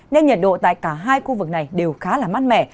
nên nhiệt độ tại cả hai khu vực này đều khá là mát mẻ